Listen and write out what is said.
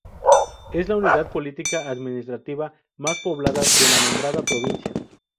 Es la unidad política administrativa más poblada de la nombrada provincia.